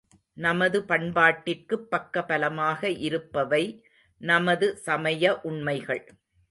நமது பண்பாட்டிற்குப் பக்க பலமாக இருப்பவை நமது சமய உண்மைகள்.